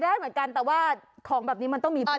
ได้เหมือนกันแต่ว่าของแบบนี้มันต้องมีเพื่อน